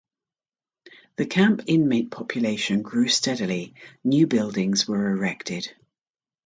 The camp inmate population grew steadily, new buildings were erected.